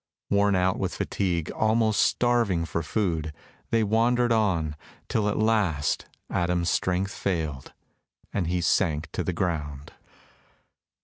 Worn out with fatigue, almost starving for food, they wandered on, till at last Adam's strength failed, and he sank to the ground.